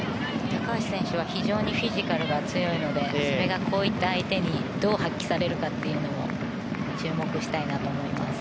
高橋選手は非常にフィジカルが強いのでそれがこういった相手にどう発揮されるかも注目したいなと思います。